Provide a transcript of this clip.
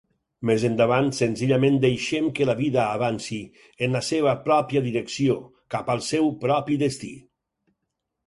Més endavant, senzillament deixem que la vida avanci, en la seva pròpia direcció, cap al seu propi destí.